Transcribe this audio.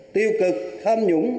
tiêu cực tham nhũng